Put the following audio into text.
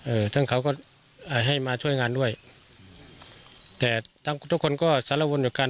เอ่อทั้งเขาก็อ่าให้มาช่วยงานด้วยแต่ทำทุกคนก็สารวนอยู่กัน